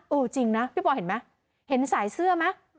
จริงนะพี่ปอยเห็นไหมเห็นสายเสื้อไหม